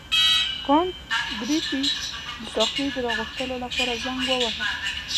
کانت ګریفي د ساقي د راغوښتلو لپاره زنګ وواهه.